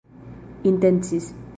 intencis